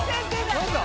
何だ？